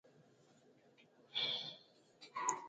سردار محمد اسلم خان ته د سید لیک.